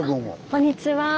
こんにちは。